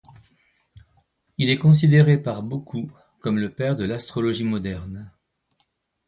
Il est considéré par beaucoup comme le père de l'astrologie moderne.